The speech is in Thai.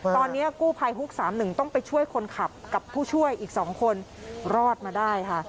ตอนนี้กู้ภัยฮุก๓๑ต้องไปช่วยคนขับกับผู้ช่วยอีก๒คนรอดมาได้ค่ะ